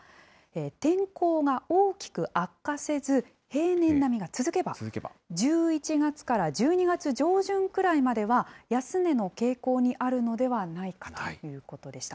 天候が大きく悪化せず、平年並みが続けば、１１月から１２月上旬くらいまでは、安値の傾向にあるのではないかということでした。